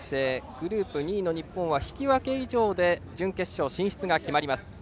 グループ２位の日本は引き分け以上で準決勝進出が決まります。